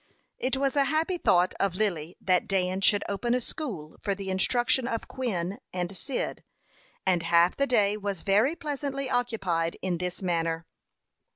It was a happy thought of Lily that Dan should open a school for the instruction of Quin and Cyd, and half the day was very pleasantly occupied in this manner.